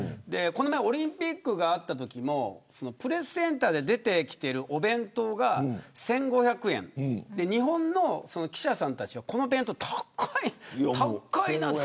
この前のオリンピックもプレスセンターで出てきたお弁当が１５００円で日本の記者さんたちはこの弁当、高いなと。